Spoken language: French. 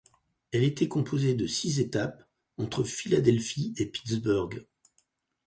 Elle était composée de six étapes, entre Philadelphie et Pittsburgh.